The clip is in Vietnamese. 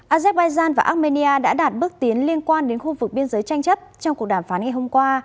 azerbaijan và armenia đã đạt bước tiến liên quan đến khu vực biên giới tranh chấp trong cuộc đàm phán ngày hôm qua